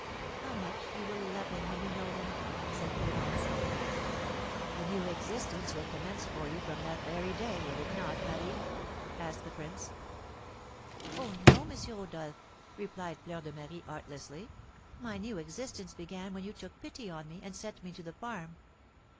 "How much you will love him when you know him!" said Clémence. "A new existence will commence for you from that very day, will it not, Marie?" asked the prince. "Oh, no, M. Rodolph," replied Fleur de Marie, artlessly; "my new existence began when you took pity on me, and sent me to the farm."